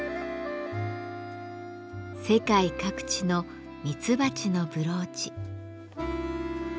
世界各地のミツバチのブローチ。